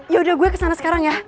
yaudah gue kesana sekarang ya